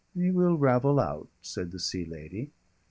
"He will ravel out," said the Sea Lady.